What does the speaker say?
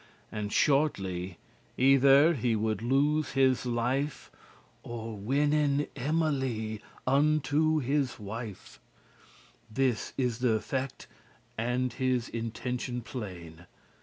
*make war <26> And shortly either he would lose his life, Or winnen Emily unto his wife. This is th' effect, and his intention plain.